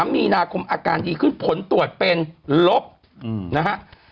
มีนาคมอาการดีขึ้นผลตรวจเป็นลบนะฮะ